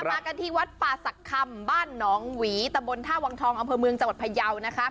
มากันที่วัดป่าศักดิ์คำบ้านหนองหวีตะบนท่าวังทองอำเภอเมืองจังหวัดพยาวนะคะ